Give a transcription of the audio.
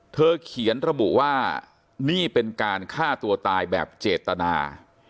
เขียนระบุว่านี่เป็นการฆ่าตัวตายแบบเจตนา